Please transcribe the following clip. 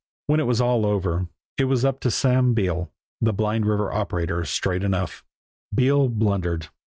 When it was all over, it was up to Sam Beale, the Blind River operator, straight enough. Beale blundered.